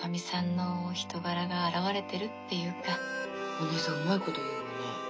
お姉さんうまいこと言うわね。